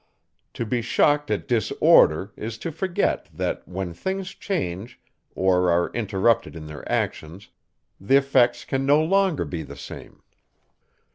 To be shocked at disorder, is to forget, that when things change, or are interrupted in their actions, the effects can no longer be the same.